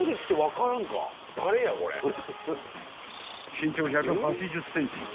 ［身長１８０ｃｍ］